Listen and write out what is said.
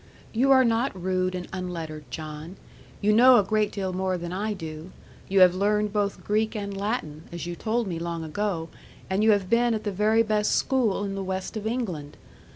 'You are not rude and unlettered, John. You know a great deal more than I do; you have learned both Greek and Latin, as you told me long ago, and you have been at the very best school in the West of England.